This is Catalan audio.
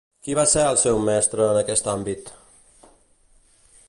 Qui va ser el seu mestre en aquest àmbit?